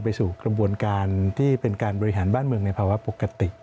ไปสู่กระบวนการที่เป็นการบริหารบ้านเมืองในภาวะปกติ